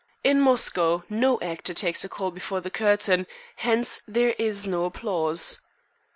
In Moscow no actor takes a call before the curtain; hence, there is no applause."